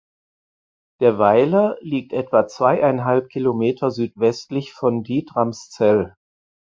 Der Weiler liegt etwa zweieinhalb Kilometer südwestlich von Dietramszell.